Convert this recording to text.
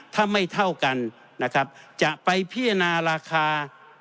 ถ้าไม่เท่ากันนะครับจะไปพิจารณาราคา